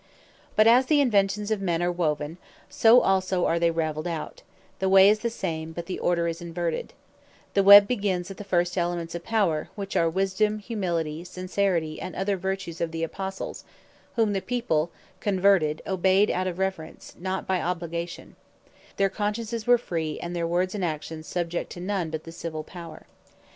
But as the Inventions of men are woven, so also are they ravelled out; the way is the same, but the order is inverted: The web begins at the first Elements of Power, which are Wisdom, Humility, Sincerity, and other vertues of the Apostles, whom the people converted, obeyed, out of Reverence, not by Obligation: Their Consciences were free, and their Words and Actions subject to none but the Civill Power.